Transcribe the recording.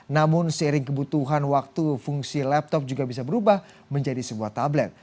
namun seiring kebutuhan waktu fungsi laptop juga bisa berubah menjadi sebuah tablet